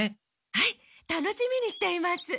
はい楽しみにしています。